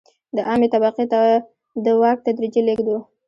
د عامې طبقې ته د واک تدریجي لېږد و.